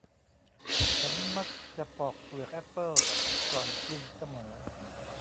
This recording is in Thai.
ฉันมักจะปอกเปลือกแอปเปิ้ลก่อนกินเสมอ